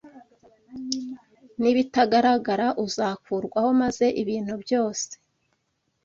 n’ibitagaragara uzakurwaho maze ibintu byose